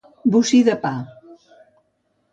Bocí de pa.